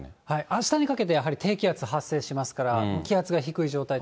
あしたにかけてやはり低気圧発生しますから、気圧が低い状態